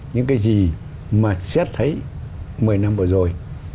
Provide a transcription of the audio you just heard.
những cái gì mà xét thấy một mươi năm vừa rồi